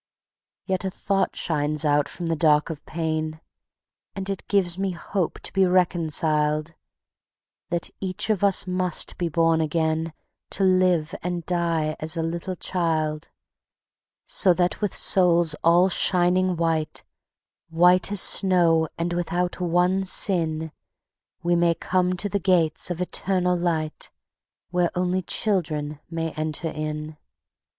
Yet a thought shines out from the dark of pain, And it gives me hope to be reconciled: _That each of us must be born again, And live and die as a little child; So that with souls all shining white, White as snow and without one sin, We may come to the Gates of Eternal Light, Where only children may enter in.